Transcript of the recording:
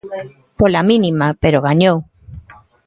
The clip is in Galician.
Pola mínima, pero gañou.